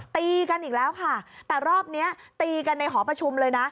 ตีกันอีกแล้วค่ะแต่รอบนี้ตีกันในหอประชุมเลยนะ